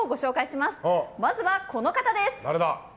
まずはこの方です。